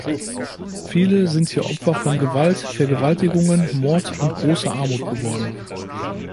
Viele sind hier Opfer von Gewalt, Vergewaltigungen, Mord und großer Armut geworden.